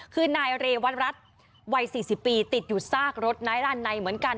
คือนายเรวัตรัฐวัย๔๐ปีติดอยู่ซากรถนายรันในเหมือนกัน